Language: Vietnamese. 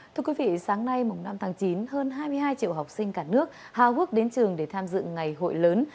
thưa quý vị sáng nay mùng năm tháng chín hơn hai mươi hai triệu học sinh cả nước hào hước đến trường để tham dự ngày hội lớn